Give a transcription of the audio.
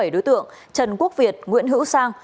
bảy đối tượng trần quốc việt nguyễn hữu sang